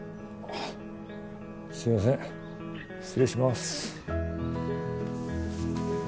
すいません失礼しまーす